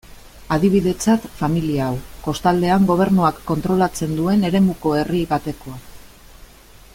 Adibidetzat, familia hau, kostaldean gobernuak kontrolatzen duen eremuko herri batekoa.